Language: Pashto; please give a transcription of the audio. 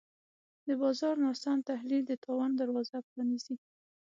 د بازار ناسم تحلیل د تاوان دروازه پرانیزي.